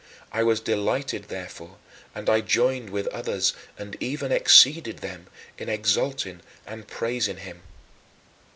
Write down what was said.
I was delighted, therefore, and I joined with others and even exceeded them in exalting and praising him.